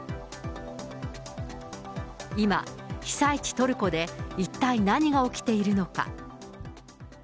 今、被災地トルコで一体、何が起きているのか。